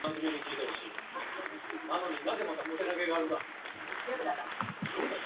是排程